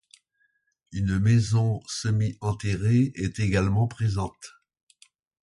Une maison semi-enterrée est également présente.